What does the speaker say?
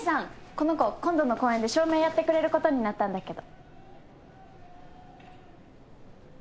この子今度の公演で照明やってくれることになったんだけど。